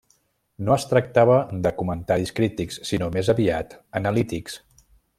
No es tractava de comentaris crítics, sinó més aviat analítics.